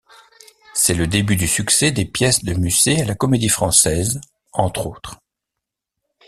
C'est le début du succès des pièces de Musset à la Comédie-Française entre autres.